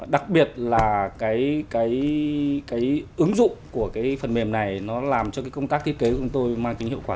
đặc biệt là cái ứng dụng của cái phần mềm này nó làm cho cái công tác thiết kế của tôi mang tính hiệu quả